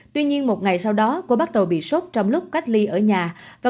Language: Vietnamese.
tuy nhiên một ngày sau đó cô bắt đầu bị sốt trong lúc cách ly ở nhà